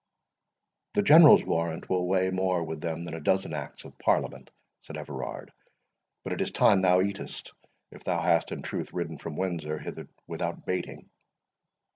"The General's warrant will weigh more with them than a dozen acts of Parliament," said Everard.—"But it is time thou eatest, if thou hast in truth ridden from Windsor hither without baiting."